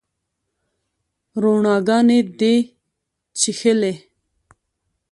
روڼاګاني دي چیښلې